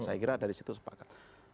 saya kira dari situ sepakat